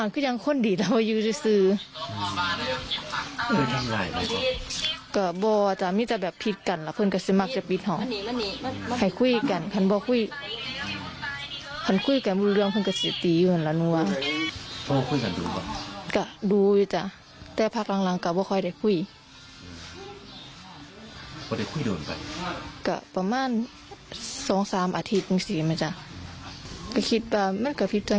คุณเปรยาชาติยังได้คุยกับพ่อตาของนายแป๊บก็คือพ่อภรรยานะคะ